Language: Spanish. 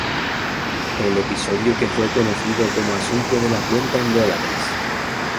El episodio que fue conocido como asunto de la cuenta en dólares".